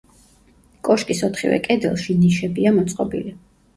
კოშკის ოთხივე კედელში ნიშებია მოწყობილი.